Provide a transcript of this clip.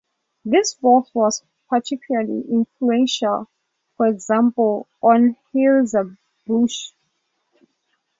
This work was particularly influential, for example on Hirzebruch.